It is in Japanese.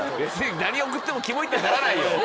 何送ってもキモいってならないよ！